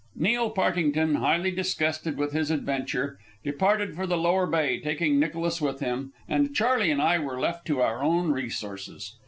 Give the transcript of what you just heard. Neil Partington, highly disgusted with his adventure, departed for the Lower Bay, taking Nicholas with him, and Charley and I were left to our own resources.